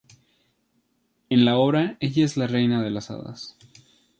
En la obra, ella es la Reina de las Hadas.